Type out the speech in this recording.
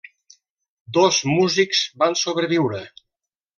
Dos músics van sobreviure.